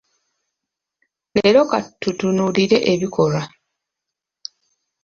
Leero ka tutunuulire ebikolwa.